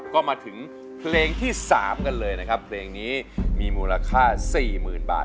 ก็มาถึงเพลงที่๓กันเลยนะครับเพลงนี้มีมูลค่า๔๐๐๐บาท